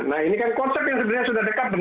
nah ini kan konsep yang sebenarnya sangat penting